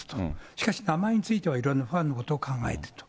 しかし、名前については、いろんなファンのことを考えてと。